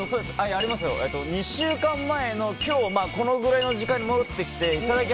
２週間前の今日これくらいの時間に戻ってきていただき！